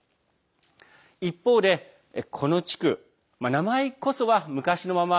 一方で、この地区名前こそは昔のまま